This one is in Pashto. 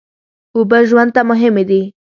اوبه ژوند ته مهمې دي.